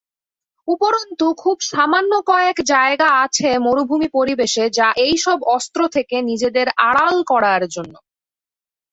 উপরন্তু, খুব সামান্য কয়েক জায়গা আছে মরুভূমি পরিবেশে যা এইসকল অস্ত্র থেকে নিজেদের আড়াল করার জন্য।